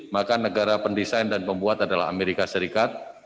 maka negara pendesain dan pembuat adalah amerika serikat